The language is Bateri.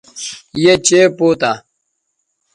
یے چئے پوتہ